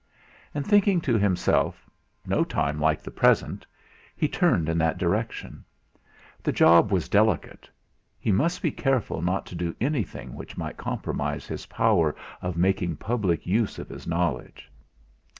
And thinking to himself: 'No time like the present,' he turned in that direction. The job was delicate. He must be careful not to do anything which might compromise his power of making public use of his knowledge.